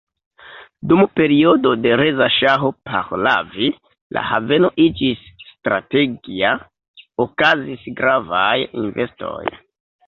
Dum periodo de Reza Ŝaho Pahlavi la haveno iĝis strategia, okazis gravaj investoj.